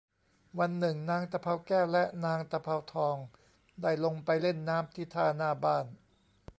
วันหนึ่งนางตะเภาแก้วและนางตะเภาทองได้ลงไปเล่นน้ำที่ท่าหน้าบ้าน